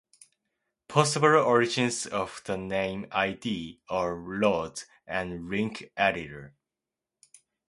Possible origins of the name "ld" are "LoaD" and "Link eDitor".